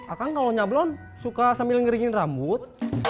akan kalau nyablon suka sambil ngeringin rambut